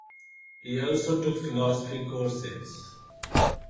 He also took philosophy courses.